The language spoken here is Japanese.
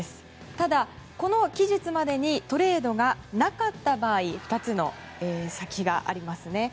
ただ、この期日までにトレードがなかった場合２つの先がありますね。